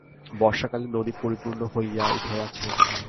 বর্ষাকালে নদী পরিপূর্ণ হইয়া উঠিয়াছে।